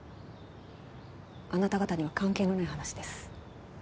あなた方には関係のない話です・